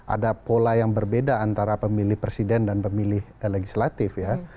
ada pola yang berbeda antara pemilih presiden dan pemilih legislatif ya